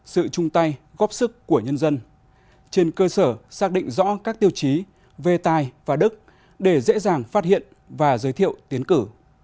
sự chung tay góp sức của nhân dân trên cơ sở xác định rõ các tiêu chí về tài và đức để dễ dàng phát hiện và giới thiệu tiến cử